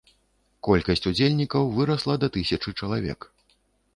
Колькасць удзельнікаў вырасла да тысячы чалавек.